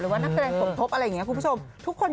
หรือว่านักแทรกสมทบอะไรอย่างนี้ครับคุณผู้ชม